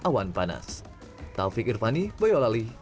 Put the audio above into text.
awan panas taufik irvani boyolali jawa barat